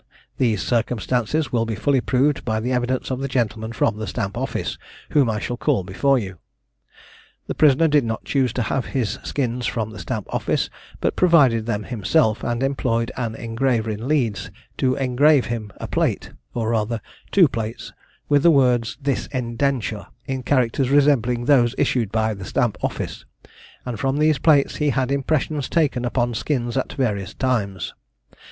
These circumstances will be fully proved by the evidence of the gentlemen from the Stamp office, whom I shall call before you. The prisoner did not choose to have his skins from the Stamp office, but provided them himself, and employed an engraver in Leeds, to engrave him a plate, or rather two plates with the words "This Indenture," in characters resembling those issued by the Stamp office, and from these plates he had impressions taken upon skins at various times.